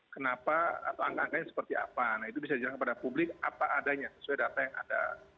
kenapa atau angka angkanya seperti apa nah itu bisa dijelaskan kepada publik apa adanya sesuai data yang ada